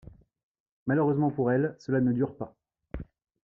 Malheureusement pour elle, cela ne dure pas.